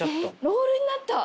ロールになった。